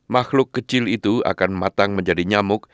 makhluk kecil itu akan matang menjadi nyamuk